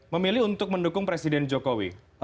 memilih untuk mendukung presiden jokowi